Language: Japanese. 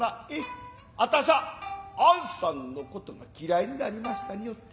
あたしゃあんさんの事が嫌いになりましたによって。